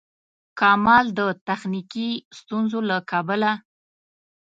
کمال د تخنیکي ستونزو له کبله.